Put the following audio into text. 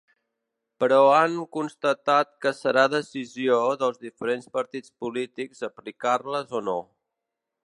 Però han constatat que serà decisió dels diferents partits polítics aplicar-les o no.